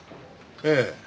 ええ。